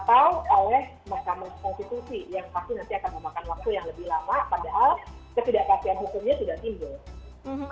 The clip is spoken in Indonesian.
padahal ketidakpastian hukumnya sudah timbul